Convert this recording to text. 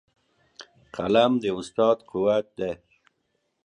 قلم د استاد قوت دی.